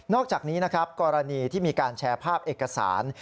อกจากนี้นะครับกรณีที่มีการแชร์ภาพเอกสาร